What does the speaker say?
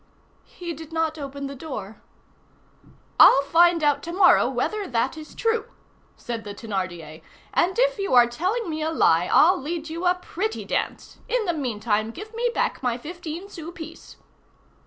"He did not open the door." "I'll find out to morrow whether that is true," said the Thénardier; "and if you are telling me a lie, I'll lead you a pretty dance. In the meantime, give me back my fifteen sou piece."